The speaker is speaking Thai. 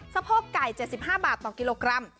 สะโพกไก่๗๕บาทต่อกิโลกรัม